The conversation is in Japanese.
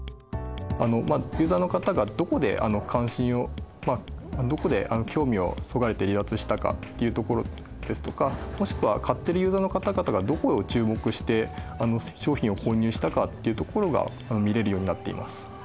ユーザの方がどこで関心をどこで興味をそがれて離脱したかっていうところですとかもしくは買ってるユーザの方々がどこを注目して商品を購入したかっていうところが見れるようになっています。